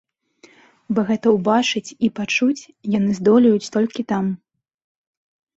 Бо гэта ўбачыць і пачуць яны здолеюць толькі там.